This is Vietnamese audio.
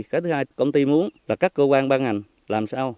cái thứ hai công ty muốn là các cơ quan ban ngành làm sao